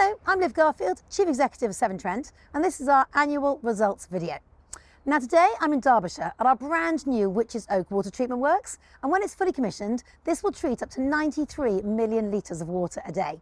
Hello, I'm Liv Garfield, Chief Executive of Severn Trent, and this is our annual results video. Today I'm in Derbyshire, at our brand new Witches Oak Water Treatment Works. And when it's fully commissioned, this will treat up to 93 million L of water a day.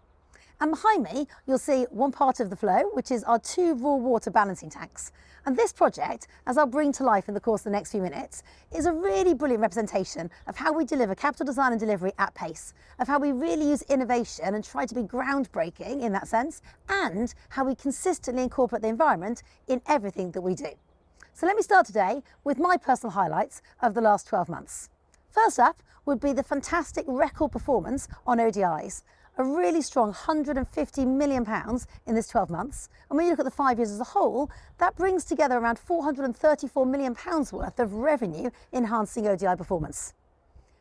Behind me, you'll see one part of the flow, which is our two raw water balancing tanks. This project, as I'll bring to life in the course of the next few minutes, is a really brilliant representation of how we deliver capital design and delivery at pace, of how we really use innovation and try to be groundbreaking in that sense, and how we consistently incorporate the environment in everything that we do. Let me start today with my personal highlights of the last 12 months. First up would be the fantastic record performance on ODIs, a really strong 150 million pounds in this 12 months. When you look at the five years as a whole, that brings together around 434 million pounds worth of revenue enhancing ODI performance.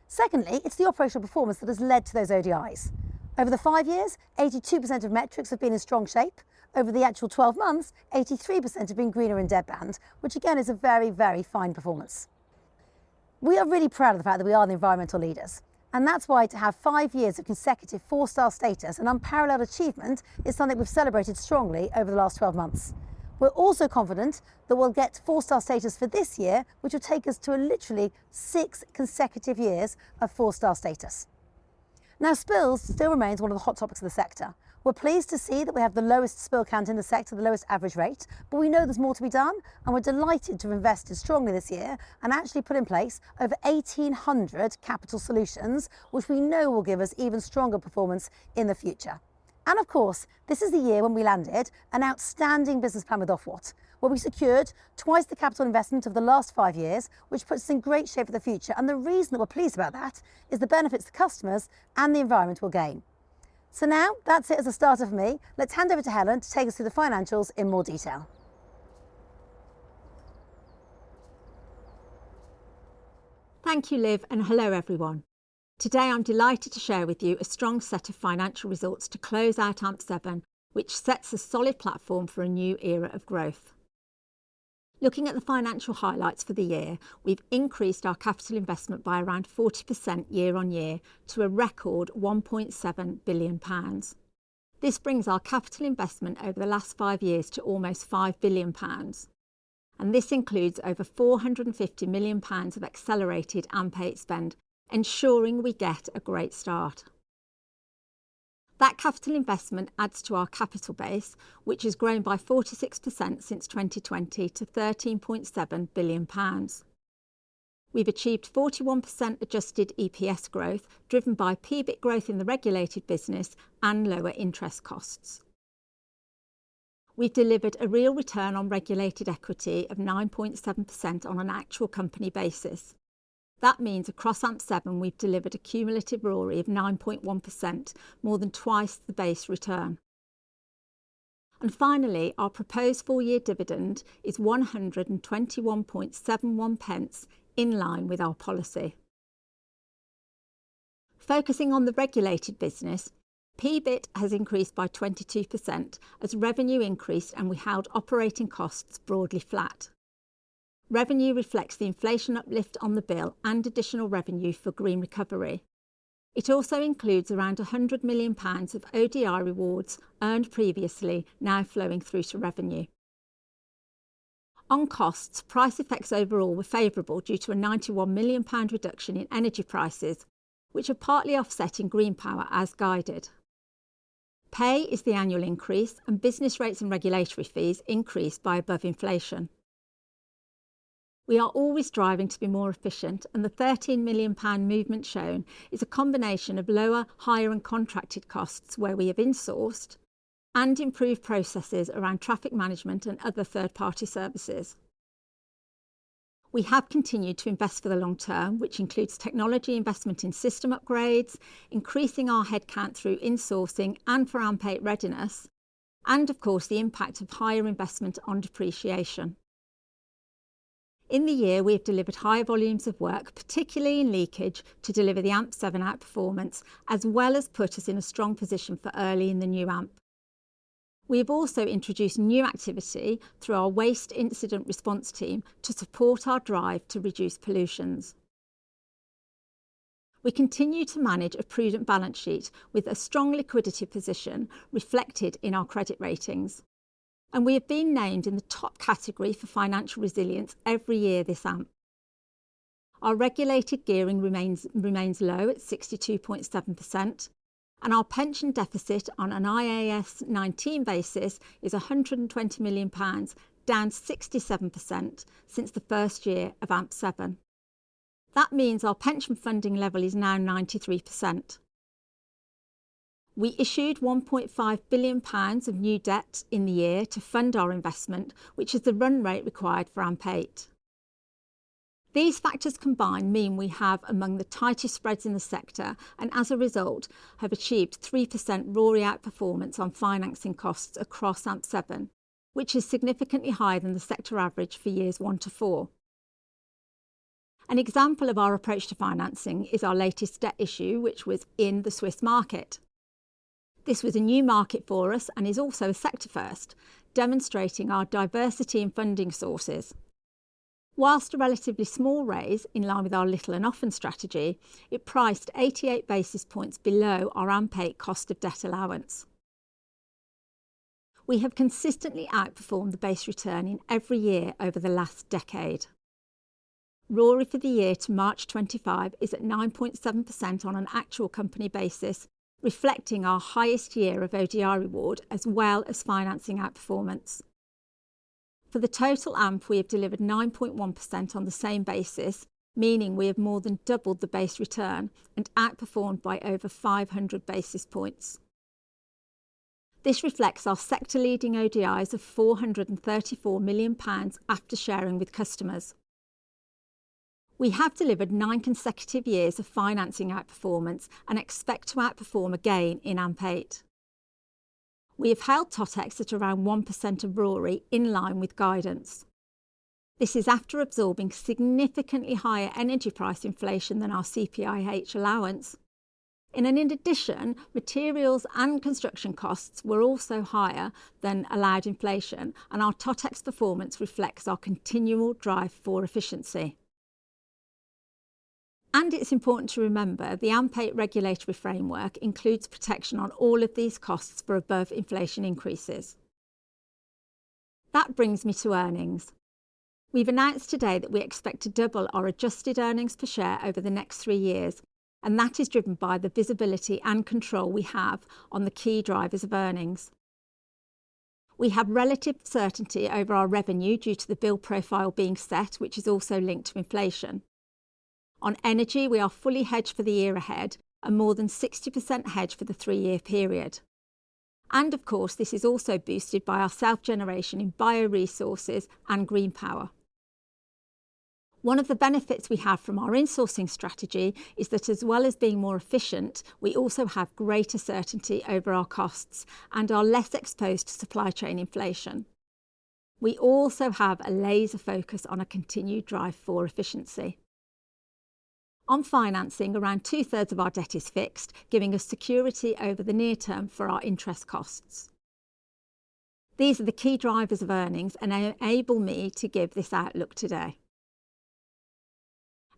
Secondly, it's the operational performance that has led to those ODIs. Over the five years, 82% of metrics have been in strong shape. Over the actual 12 months, 83% have been greener in deadband, which again is a very, very fine performance. We are really proud of the fact that we are the environmental leaders, and that's why to have five years of consecutive four-star status and unparalleled achievement is something we've celebrated strongly over the last 12 months. We're also confident that we'll get four-star status for this year, which will take us to literally six consecutive years of four-star status. Now, spills still remain one of the hot topics of the sector. We're pleased to see that we have the lowest spill count in the sector, the lowest average rate, but we know there's more to be done, and we're delighted to invest as strongly this year and actually put in place over 1,800 capital solutions, which we know will give us even stronger performance in the future. Of course, this is the year when we landed an outstanding business plan with Ofwat, where we secured twice the capital investment of the last five years, which puts us in great shape for the future. The reason that we're pleased about that is the benefits to customers and the environment we'll gain. Now, that's it as a start of me. Let's hand over to Helen to take us through the financials in more detail. Thank you, Liv, and hello everyone. Today I'm delighted to share with you a strong set of financial results to close out AMP7, which sets a solid platform for a new era of growth. Looking at the financial highlights for the year, we've increased our capital investment by around 40% year-on-year to a record 1.7 billion pounds. This brings our capital investment over the last five years to almost 5 billion pounds. And this includes over 450 million pounds of accelerated unpaid spend, ensuring we get a great start. That capital investment adds to our capital base, which has grown by 46% since 2020 to 13.7 billion pounds. We've achieved 41% adjusted EPS growth, driven by PBIC growth in the regulated business and lower interest costs. We've delivered a real return on regulated equity of 9.7% on an actual company basis. That means across AMP7, we've delivered a cumulative RoRE of 9.1%, more than twice the base return. Finally, our proposed four-year dividend is 121.71, in line with our policy. Focusing on the regulated business, PBIC has increased by 22% as revenue increased and we held operating costs broadly flat. Revenue reflects the inflation uplift on the bill and additional revenue for green recovery. It also includes around 100 million pounds of ODI rewards earned previously, now flowing through to revenue. On costs, price effects overall were favorable due to a 91 million pound reduction in energy prices, which are partly offsetting green power as guided. Pay is the annual increase, and business rates and regulatory fees increased by above inflation. We are always striving to be more efficient. And the 13 million pound movement shown is a combination of lower, higher, and contracted costs where we have insourced and improved processes around traffic management and other third-party services. We have continued to invest for the long term, which includes technology investment in system upgrades, increasing our headcount through insourcing and for unpaid readiness, and of course the impact of higher investment on depreciation. In the year, we have delivered higher volumes of work, particularly in leakage, to deliver the AMP7 outperformance, as well as put us in a strong position for early in the new AMP. We have also introduced new activity through our waste incident response team to support our drive to reduce pollutions. We continue to manage a prudent balance sheet with a strong liquidity position reflected in our credit ratings. And we have been named in the top category for financial resilience every year this AMP. Our regulated gearing remains low at 62.7%, and our pension deficit on an IAS 19 basis is 120 million pounds, down 67% since the first year of AMP7. That means our pension funding level is now 93%. We issued 1.5 billion pounds of new debt in the year to fund our investment, which is the run rate required for AMP8. These factors combined mean we have among the tightest spreads in the sector, and as a result have achieved 3% RoRE outperformance on financing costs across AMP7, which is significantly higher than the sector average for years one to four. An example of our approach to financing is our latest debt issue, which was in the Swiss market. This was a new market for us and is also a sector first, demonstrating our diversity in funding sources. Whilst a relatively small raise, in line with our little and often strategy, it priced 88 basis points below our unpaid cost of debt allowance. We have consistently outperformed the base return in every year over the last decade. RoRE for the year to March 2025 is at 9.7% on an actual company basis, reflecting our highest year of ODI reward as well as financing outperformance. For the total AMP, we have delivered 9.1% on the same basis, meaning we have more than doubled the base return and outperformed by over 500 basis points. This reflects our sector leading ODIs of 434 million pounds after sharing with customers. We have delivered nine consecutive years of financing outperformance and expect to outperform again in AMP8. We have held TotEx at around 1% of RoRE in line with guidance. This is after absorbing significantly higher energy price inflation than our CPIH allowance. In addition, materials and construction costs were also higher than allowed inflation. And our TotEx performance reflects our continual drive for efficiency. It is important to remember the AMP8 regulatory framework includes protection on all of these costs for above inflation increases. That brings me to earnings. We have announced today that we expect to double our adjusted earnings per share over the next three years. And that is driven by the visibility and control we have on the key drivers of earnings. We have relative certainty over our revenue due to the bill profile being set, which is also linked to inflation. On energy, we are fully hedged for the year ahead and more than 60% hedged for the three-year period. Of course, this is also boosted by our self-generation in bio resources and green power. One of the benefits we have from our insourcing strategy is that as well as being more efficient, we also have greater certainty over our costs and are less exposed to supply chain inflation. We also have a laser focus on a continued drive for efficiency. On financing, around 2/3 of our debt is fixed, giving us security over the near term for our interest costs. These are the key drivers of earnings and enable me to give this outlook today.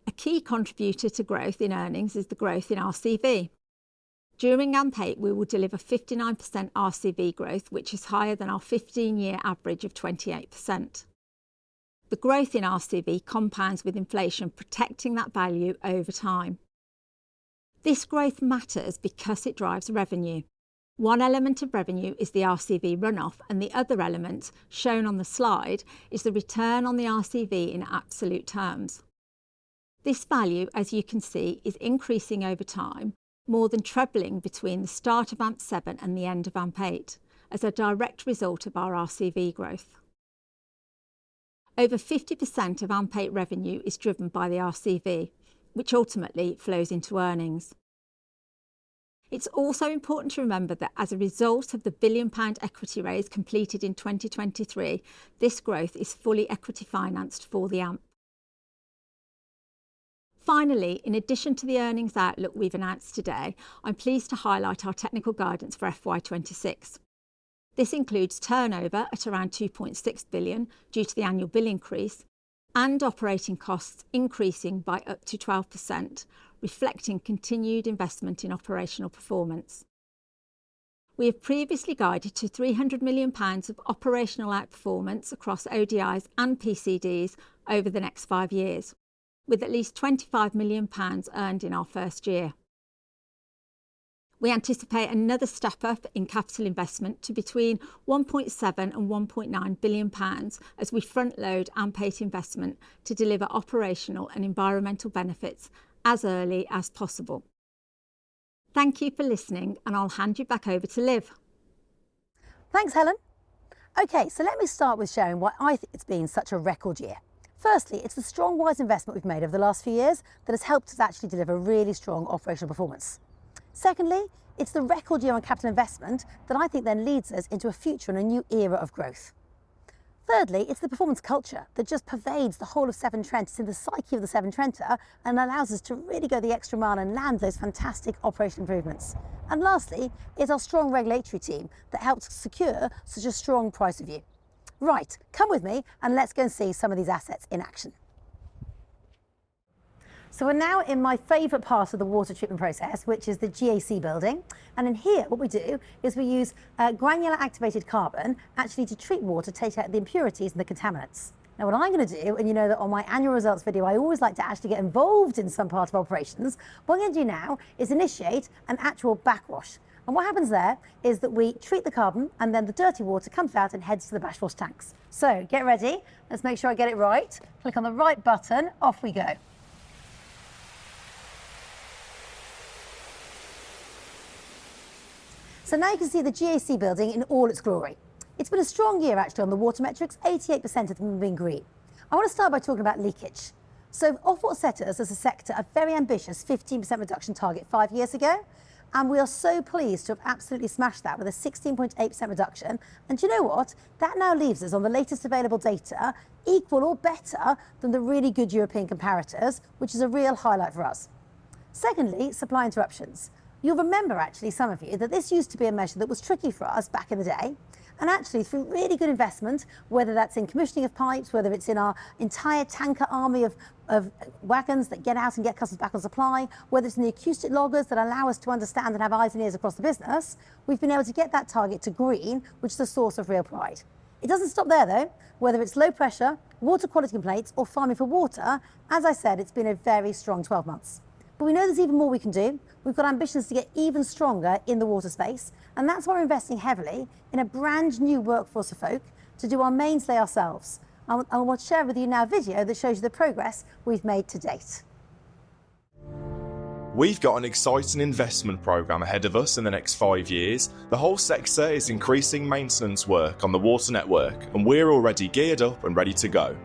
A key contributor to growth in earnings is the growth in RCV. During AMP8, we will deliver 59% RCV growth, which is higher than our 15-year average of 28%. The growth in RCV compounds with inflation, protecting that value over time. This growth matters because it drives revenue. One element of revenue is the RCV runoff, and the other element shown on the slide is the return on the RCV in absolute terms. This value, as you can see, is increasing over time, more than traveling between the start of AMP7 and the end of AMP8, as a direct result of our RCV growth. Over 50% of unpaid revenue is driven by the RCV, which ultimately flows into earnings. It's also important to remember that as a result of the 1 billion pound equity raise completed in 2023, this growth is fully equity financed for the AMP. Finally, in addition to the earnings outlook we've announced today, I'm pleased to highlight our technical guidance for FY 2026. This includes turnover at around 2.6 billion due to the annual bill increase and operating costs increasing by up to 12%, reflecting continued investment in operational performance. We have previously guided to 300 million pounds of operational outperformance across ODIs and PCDs over the next five years, with at least 25 million pounds earned in our first year. We anticipate another step up in capital investment to between 1.7 billion and 1.9 billion pounds as we front-load unpaid investment to deliver operational and environmental benefits as early as possible. Thank you for listening, and I'll hand you back over to Liv. Thanks, Helen. Okay, let me start with sharing why I think it's been such a record year. Firstly, it's the strong wise investment we've made over the last few years that has helped us actually deliver really strong operational performance. Secondly, it's the record year on capital investment that I think then leads us into a future and a new era of growth. Thirdly, it's the performance culture that just pervades the whole of Severn Trent. It's in the psyche of Severn Trent and allows us to really go the extra mile and land those fantastic operational improvements. Lastly, it's our strong regulatory team that helps us secure such a strong price review. Right, come with me and let's go and see some of these assets in action. We're now in my favorite part of the water treatment process, which is the GAC building. In here, what we do is we use granular activated carbon actually to treat water, take out the impurities and the contaminants. Now, what I'm going to do, and you know that on my annual results video, I always like to actually get involved in some part of operations. What I'm going to do now is initiate an actual backwash. What happens there is that we treat the carbon and then the dirty water comes out and heads to the backwash tanks. Get ready. Let's make sure I get it right. Click on the right button. Off we go. Now you can see the GAC building in all its glory. It's been a strong year actually on the water metrics. 88% of them have been green. I want to start by talking about leakage. Ofwat set us as a sector a very ambitious 15% reduction target five years ago, and we are so pleased to have absolutely smashed that with a 16.8% reduction. Do you know what? That now leaves us on the latest available data equal or better than the really good European comparators, which is a real highlight for us. Secondly, supply interruptions. You'll remember actually some of you that this used to be a measure that was tricky for us back in the day. Actually, through really good investment, whether that's in commissioning of pipes, whether it's in our entire tanker army of wagons that get out and get customers back on supply, whether it's in the acoustic loggers that allow us to understand and have eyes and ears across the business, we've been able to get that target to green, which is a source of real pride. It doesn't stop there though. Whether it's low pressure, water quality complaints, or farming for water, as I said, it's been a very strong 12 months. We know there's even more we can do. We've got ambitions to get even stronger in the water space, and that's why we're investing heavily in a brand new workforce of folk to do our mainstay ourselves. I'll share with you now a video that shows you the progress we've made to date. We've got an exciting investment program ahead of us in the next five years. The whole sector is increasing maintenance work on the water network, and we're already geared up and ready to go.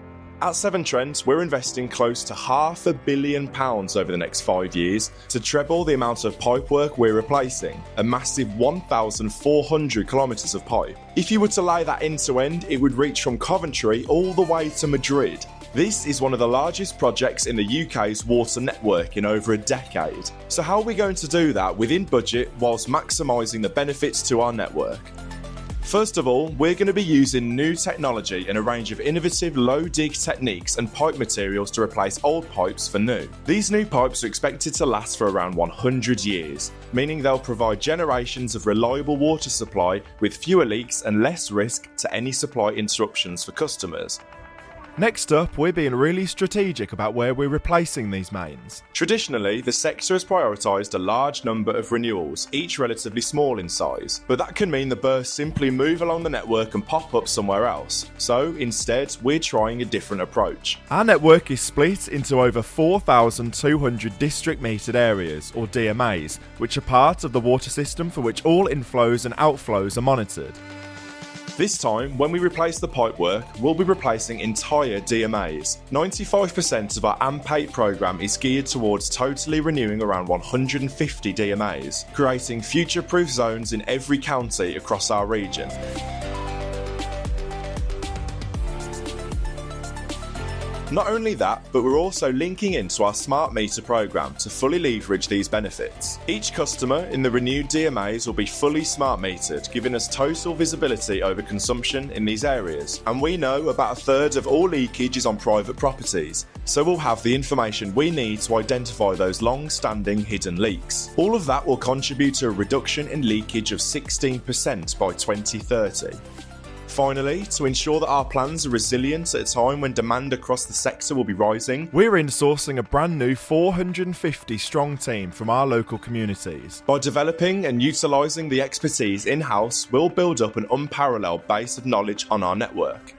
At Severn Trent, we're investing close to 500 million pounds over the next five years to treble the amount of pipework we're replacing, a massive 1,400 km of pipe. If you were to lay that end to end, it would reach from Coventry all the way to Madrid. This is one of the largest projects in the U.K.'s water network in over a decade. How are we going to do that within budget whilst maximizing the benefits to our network? First of all, we're going to be using new technology and a range of innovative low-dig techniques and pipe materials to replace old pipes for new. These new pipes are expected to last for around 100 years, meaning they'll provide generations of reliable water supply with fewer leaks and less risk to any supply instructions for customers. Next up, we're being really strategic about where we're replacing these mains. Traditionally, the sector has prioritized a large number of renewals, each relatively small in size, but that can mean the bursts simply move along the network and pop up somewhere else. Instead, we're trying a different approach. Our network is split into over 4,200 district metered areas, or DMAs, which are part of the water system for which all inflows and outflows are monitored. This time, when we replace the pipework, we'll be replacing entire DMAs. 95% of our unpaid program is geared towards totally renewing around 150 DMAs, creating future-proof zones in every county across our region. Not only that, but we're also linking into our smart meter program to fully leverage these benefits. Each customer in the renewed DMAs will be fully smart metered, giving us total visibility over consumption in these areas. We know about a third of all leakage is on private properties, so we'll have the information we need to identify those long-standing hidden leaks. All of that will contribute to a reduction in leakage of 16% by 2030. Finally, to ensure that our plans are resilient at a time when demand across the sector will be rising, we're insourcing a brand new 450-strong team from our local communities. By developing and utilizing the expertise in-house, we'll build up an unparalleled base of knowledge on our network.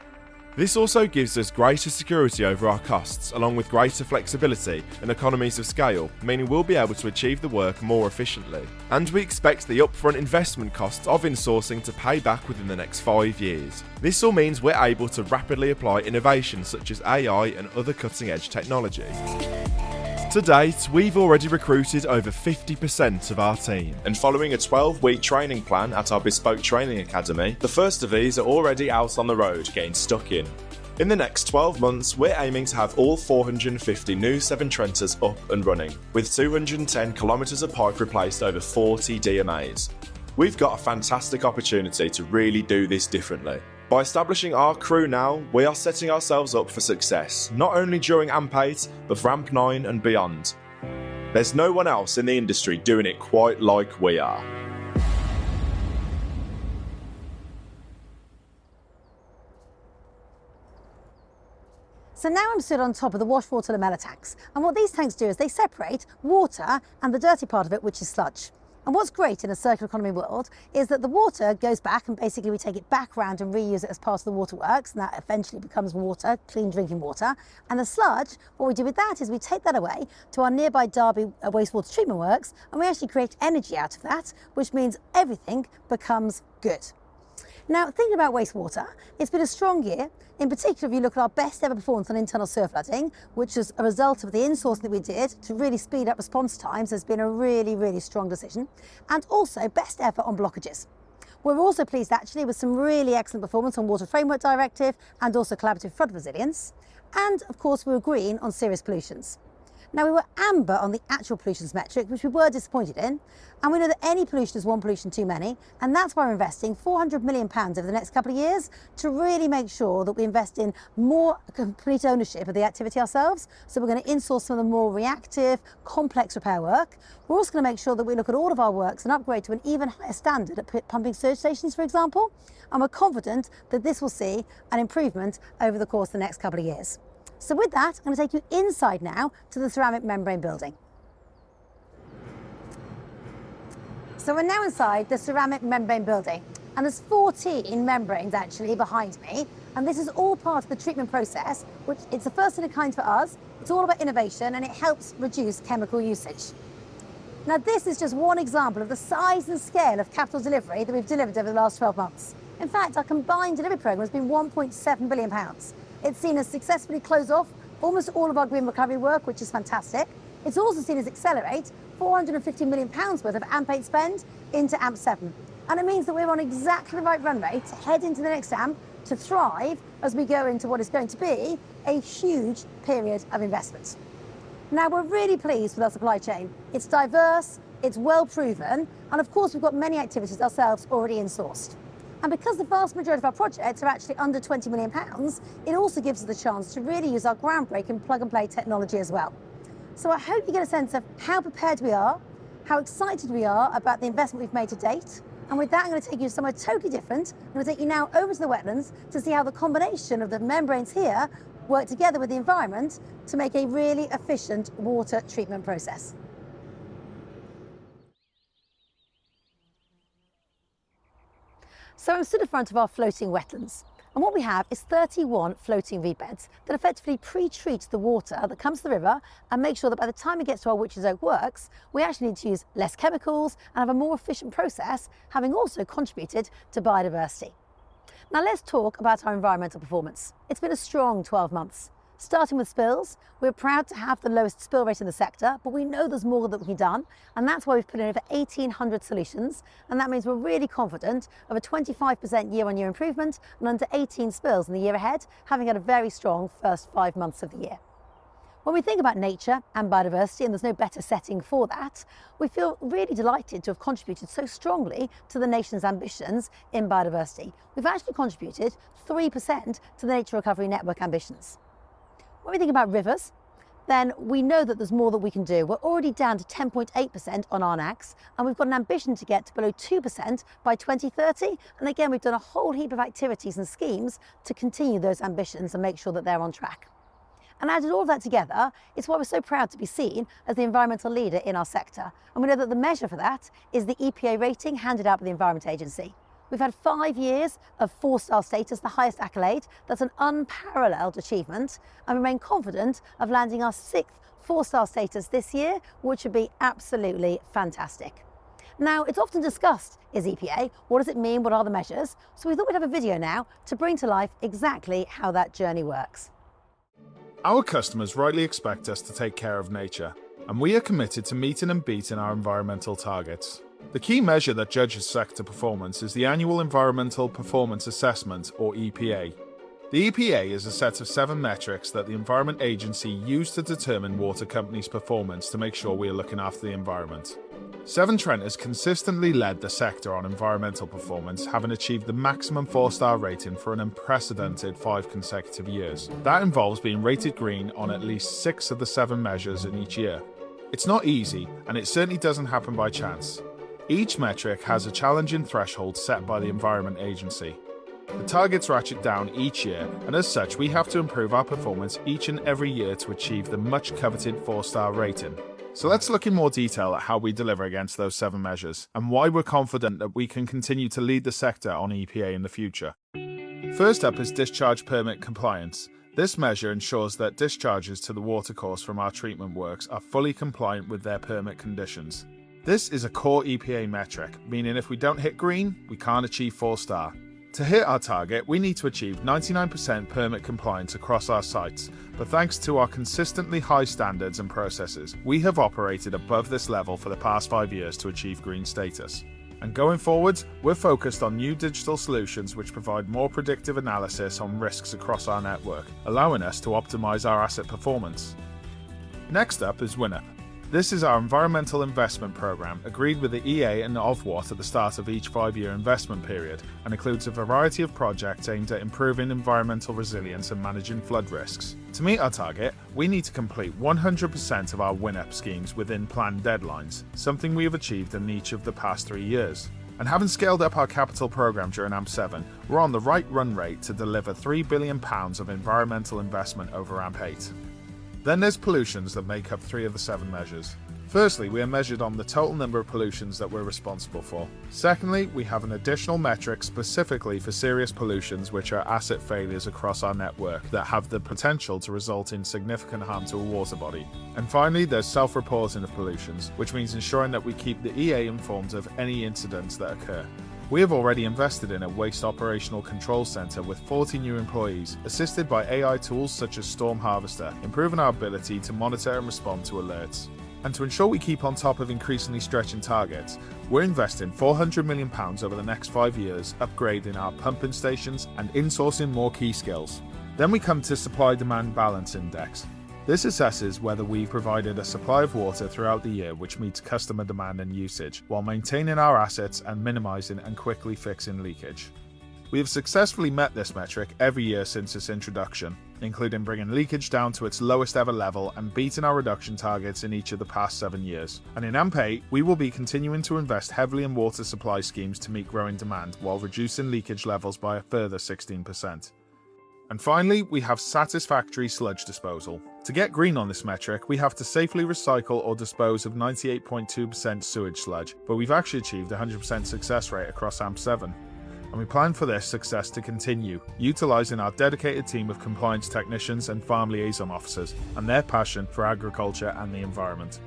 This also gives us greater security over our costs, along with greater flexibility and economies of scale, meaning we will be able to achieve the work more efficiently. We expect the upfront investment costs of insourcing to pay back within the next five years. This all means we are able to rapidly apply innovations such as AI and other cutting-edge technology. To date, we have already recruited over 50% of our team, and following a 12-week training plan at our bespoke training academy, the first of these are already out on the road getting stuck in. In the next 12 months, we are aiming to have all 450 new Severn Trenters up and running, with 210 km of pipe replaced over 40 DMAs. We have got a fantastic opportunity to really do this differently. By establishing our crew now, we are setting ourselves up for success, not only during AMP8, but for AMP9 and beyond. There's no one else in the industry doing it quite like we are. I'm stood on top of the wash water and the melotax. What these tanks do is they separate water and the dirty part of it, which is sludge. What's great in a circular economy world is that the water goes back and basically we take it back around and reuse it as part of the water works, and that eventually becomes water, clean drinking water. The sludge, what we do with that is we take that away to our nearby Derby wastewater treatment works, and we actually create energy out of that, which means everything becomes good. Now, thinking about wastewater, it's been a strong year. In particular, if you look at our best ever performance on internal surfloading, which is a result of the insourcing that we did to really speed up response times, has been a really, really strong decision. And also best ever on blockages. We are also pleased actually with some really excellent performance on Water Framework Directive and also collaborative flood resilience. Of course, we were green on serious pollutions. We were amber on the actual pollution metric, which we were disappointed in. We know that any pollution is one pollution too many. That is why we are investing 400 million pounds over the next couple of years to really make sure that we invest in more complete ownership of the activity ourselves. We are going to insource some of the more reactive, complex repair work. We are also going to make sure that we look at all of our works and upgrade to an even higher standard at pumping search stations, for example. We are confident that this will see an improvement over the course of the next couple of years. I'm going to take you inside now to the ceramic membrane building. We're now inside the ceramic membrane building. There are 14 membranes actually behind me. This is all part of the treatment process, which is the first of a kind for us. It's all about innovation, and it helps reduce chemical usage. This is just one example of the size and scale of capital delivery that we've delivered over the last 12 months. In fact, our combined delivery program has been 1.7 billion pounds. It's seen us successfully close off almost all of our green recovery work, which is fantastic. It's also seen us accelerate 450 million pounds worth of unpaid spend into AMP7. It means that we're on exactly the right runway to head into the next AMP to thrive as we go into what is going to be a huge period of investment. We're really pleased with our supply chain. It's diverse, it's well proven, and of course, we've got many activities ourselves already insourced. Because the vast majority of our projects are actually under 20 million pounds, it also gives us the chance to really use our groundbreaking plug and play technology as well. I hope you get a sense of how prepared we are, how excited we are about the investment we've made to date. With that, I'm going to take you somewhere totally different. I'm going to take you now over to the wetlands to see how the combination of the membranes here work together with the environment to make a really efficient water treatment process. I'm stood in front of our floating wetlands. What we have is 31 floating reed beds that effectively pre-treat the water that comes to the river and make sure that by the time it gets to our Witches Oak Water Treatment Works, we actually need to use less chemicals and have a more efficient process, having also contributed to biodiversity. Now, let's talk about our environmental performance. It's been a strong 12 months. Starting with spills, we're proud to have the lowest spill rate in the sector, but we know there's more that can be done. That's why we've put in over 1,800 solutions. That means we're really confident of a 25% year-on-year improvement and under 18 spills in the year ahead, having had a very strong first five months of the year. When we think about nature and biodiversity, and there's no better setting for that, we feel really delighted to have contributed so strongly to the nation's ambitions in biodiversity. We've actually contributed 3% to the nature recovery network ambitions. When we think about rivers, then we know that there's more that we can do. We're already down to 10.8% on our NACs, and we've got an ambition to get to below 2% by 2030. Again, we've done a whole heap of activities and schemes to continue those ambitions and make sure that they're on track. Adding all of that together, it's why we're so proud to be seen as the environmental leader in our sector. We know that the measure for that is the EPA rating handed out by the Environment Agency. We've had five years of four-star status, the highest accolade. That's an unparalleled achievement. We're confident of landing our sixth four-star status this year, which would be absolutely fantastic. Now, it's often discussed, is EPA? What does it mean? What are the measures? We thought we'd have a video now to bring to life exactly how that journey works. Our customers rightly expect us to take care of nature, and we are committed to meeting and beating our environmental targets. The key measure that judges sector performance is the annual Environmental Performance Assessment, or EPA. The EPA is a set of seven metrics that the Environment Agency used to determine water companies' performance to make sure we are looking after the environment. Severn Trent has consistently led the sector on environmental performance, having achieved the maximum four-star rating for an unprecedented five consecutive years. That involves being rated green on at least six of the seven measures in each year. It's not easy, and it certainly doesn't happen by chance. Each metric has a challenging threshold set by the Environment Agency. The targets ratchet down each year, and as such, we have to improve our performance each and every year to achieve the much coveted four-star rating. Let's look in more detail at how we deliver against those seven measures and why we're confident that we can continue to lead the sector on EPA in the future. First up is discharge permit compliance. This measure ensures that discharges to the watercourse from our treatment works are fully compliant with their permit conditions. This is a core EPA metric, meaning if we don't hit green, we can't achieve four-star. To hit our target, we need to achieve 99% permit compliance across our sites. Thanks to our consistently high standards and processes, we have operated above this level for the past five years to achieve green status. Going forward, we're focused on new digital solutions which provide more predictive analysis on risks across our network, allowing us to optimize our asset performance. Next up is WINEP. This is our environmental investment program agreed with the Environment Agency and Ofwat at the start of each five-year investment period and includes a variety of projects aimed at improving environmental resilience and managing flood risks. To meet our target, we need to complete 100% of our WINEP schemes within planned deadlines, something we have achieved in each of the past three years. Having scaled up our capital program during AMP7, we're on the right run rate to deliver 3 billion pounds of environmental investment over AMP8. There are pollutions that make up three of the seven measures. Firstly, we are measured on the total number of pollutions that we're responsible for. Secondly, we have an additional metric specifically for serious pollutions, which are asset failures across our network that have the potential to result in significant harm to a water body. Finally, there's self-reporting of pollutions, which means ensuring that we keep the EA informed of any incidents that occur. We have already invested in a waste operational control center with 40 new employees, assisted by AI tools such as Storm Harvester, improving our ability to monitor and respond to alerts. To ensure we keep on top of increasingly stretching targets, we're investing 400 million pounds over the next five years, upgrading our pumping stations and insourcing more key skills. We come to Supply Demand Balance Index. This assesses whether we've provided a supply of water throughout the year, which meets customer demand and usage, while maintaining our assets and minimizing and quickly fixing leakage. We have successfully met this metric every year since its introduction, including bringing leakage down to its lowest ever level and beating our reduction targets in each of the past seven years. In AMP8, we will be continuing to invest heavily in water supply schemes to meet growing demand while reducing leakage levels by a further 16%. Finally, we have satisfactory sludge disposal. To get green on this metric, we have to safely recycle or dispose of 98.2% sewage sludge, but we have actually achieved a 100% success rate across AMP7. We plan for this success to continue, utilizing our dedicated team of compliance technicians and farm liaison officers and their passion for agriculture and the environment.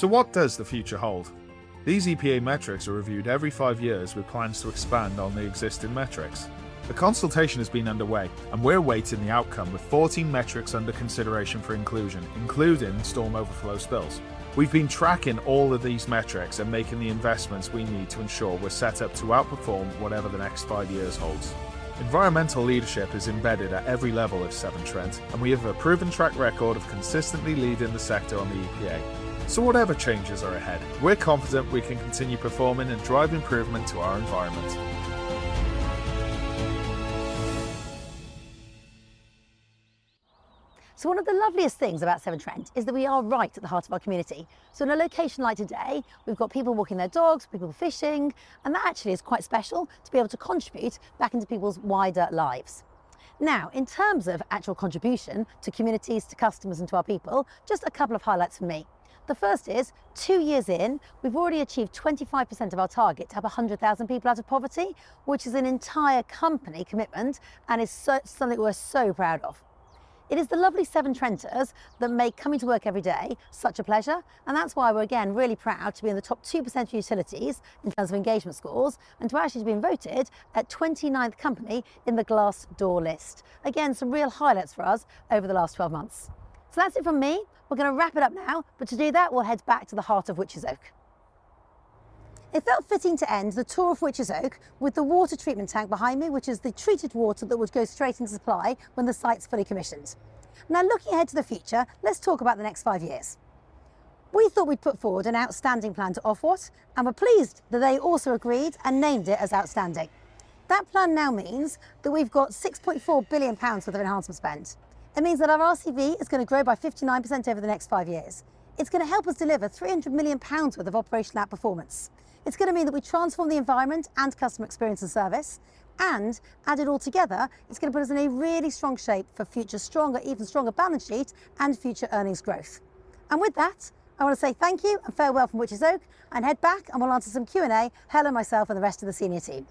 What does the future hold? These EPA metrics are reviewed every five years with plans to expand on the existing metrics. The consultation has been underway, and we are awaiting the outcome with 14 metrics under consideration for inclusion, including storm overflow spills. We've been tracking all of these metrics and making the investments we need to ensure we're set up to outperform whatever the next five years holds. Environmental leadership is embedded at every level of Severn Trent, and we have a proven track record of consistently leading the sector on the EPA. Whatever changes are ahead, we're confident we can continue performing and drive improvement to our environment. One of the loveliest things about Severn Trent is that we are right at the heart of our community. In a location like today, we've got people walking their dogs, people fishing, and that actually is quite special to be able to contribute back into people's wider lives. Now, in terms of actual contribution to communities, to customers, and to our people, just a couple of highlights for me. The first is, two years in, we've already achieved 25% of our target to have 100,000 people out of poverty, which is an entire company commitment and is something we're so proud of. It is the lovely Severn Trenters that make coming to work every day such a pleasure, and that's why we're again really proud to be in the top 2% of utilities in terms of engagement scores, and to actually have been voted at 29th company in the Glassdoor list. Again, some real highlights for us over the last 12 months. That is it from me. We're going to wrap it up now, but to do that, we'll head back to the heart of Witches Oak. It felt fitting to end the tour of Witches Oak with the water treatment tank behind me, which is the treated water that would go straight into supply when the site's fully commissioned. Now, looking ahead to the future, let's talk about the next five years. We thought we'd put forward an outstanding plan to Ofwat, and we're pleased that they also agreed and named it as outstanding. That plan now means that we've got 6.4 billion pounds worth of enhancement spend. It means that our RCV is going to grow by 59% over the next five years. It's going to help us deliver 300 million pounds worth of operational outperformance. It's going to mean that we transform the environment and customer experience and service, and added all together, it's going to put us in a really strong shape for future stronger, even stronger balance sheet and future earnings growth. I want to say thank you and farewell from Witches Oak, and head back and we'll answer some Q&A, Helen, myself, and the rest of the senior team.